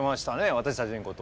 私たちのこと。